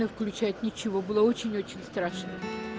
ini sangat sangat menakutkan